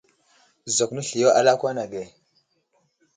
Zakw nesliyo a lakwan age.